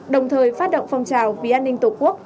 đồng thời phát động phong trào vì an ninh tổ quốc